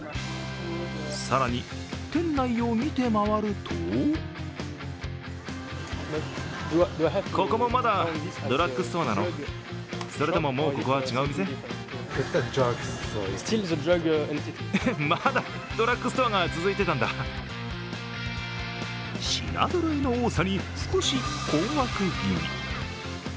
更に店内を見て回ると品ぞろえの多さに、少し困惑気味。